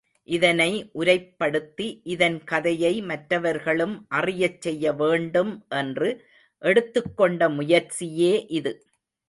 இதனை உரைப்படுத்தி இதன் கதையை மற்றவர்களும் அறியச் செய்ய வேண்டும் என்று எடுத்துக் கொண்ட முயற்சியே இது.